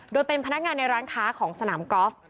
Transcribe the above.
โดยเป็นพนักงานในร้านค้าของสนามกอล์ฟ